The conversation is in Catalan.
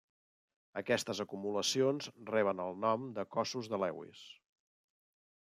Aquestes acumulacions reben el nom de cossos de Lewis.